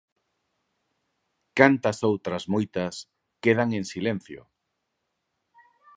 ¡Cantas outras moitas quedan en silencio!